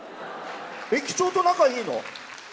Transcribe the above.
駅長と仲いいの。